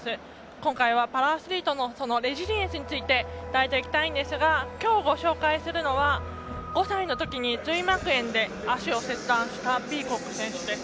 今回はパラアスリートのレジリエンスについて迫っていきたいんですがきょう、ご紹介するのは５歳のときに髄膜炎で、足を切断したピーコック選手です。